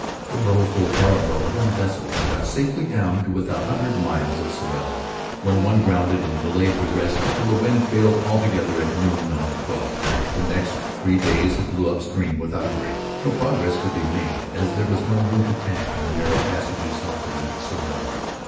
The little flotilla of eleven vessels got safely down to within a few miles of Sorel, when one grounded and delayed the rest till the wind failed altogether at noon on the 12th. The next three days it blew upstream without a break. No progress could be made as there was no room to tack in the narrow passages opposite Sorel.